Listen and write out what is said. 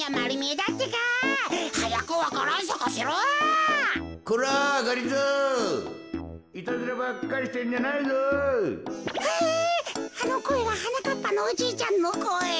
えあのこえははなかっぱのおじいちゃんのこえ。